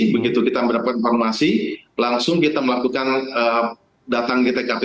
begitu kita mendapatkan informasi langsung kita melakukan datang di tkp